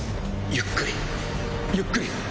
ゆっくりゆっくり